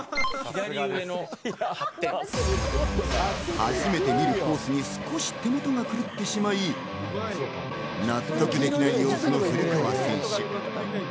初めて見るコースに少し手元が狂ってしまい、納得できない様子の古川選手。